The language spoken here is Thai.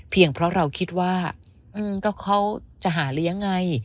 เพราะเราคิดว่าก็เขาจะหาเลี้ยงไง